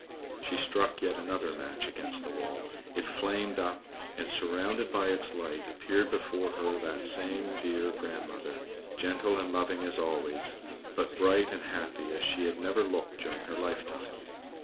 She struck yet another match against the wall. It flamed up, and, surrounded by its light, appeared before her that same dear grandmother, gentle and loving as always, but bright and happy as she had never looked during her lifetime.